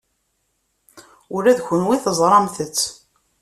Ula d kenwi teẓramt-tt.